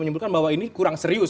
menyebutkan bahwa ini kurang serius